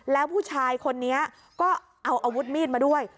แล้วผู้ชายคนนี้ก็เอาอาวุธมีดมาด้วย